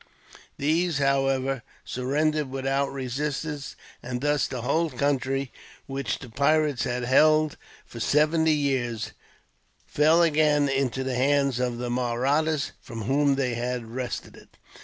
These, however, surrendered without resistance, and thus the whole country, which the pirates had held for seventy years, fell again into the hands of the Mahrattas, from whom they had wrested it.